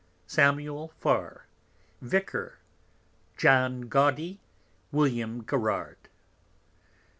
Samuel Farr, Vicar. John Gaudy. _William Garrard.